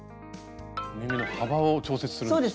縫い目の幅を調節するんですね。